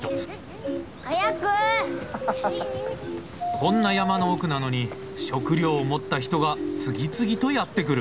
こんな山の奥なのに食料を持った人が次々とやって来る！